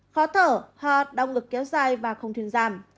khó thở ho đau ngực kéo dài và không thuyền giảm